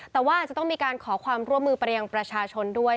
แต่ว่าอาจจะต้องมีการขอความร่วมมือไปยังประชาชนด้วย